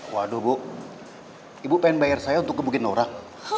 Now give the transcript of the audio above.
waduh bu ibu pengen bayar saya untuk gebukin orang